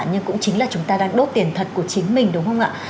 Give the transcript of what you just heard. nhưng cũng chính là chúng ta đang đốt tiền thật của chính mình đúng không ạ